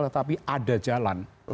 tetapi ada jalan